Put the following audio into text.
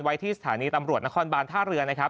ไว้ที่สถานีตำรวจนครบาลท่าเรือ